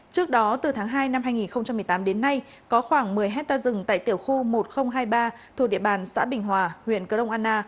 trước đó từ tháng hai năm hai nghìn một mươi tám đến nay có khoảng một mươi hectare rừng tại tiểu khu một nghìn hai mươi ba thuộc địa bàn xã bình hòa huyện cờ rông anna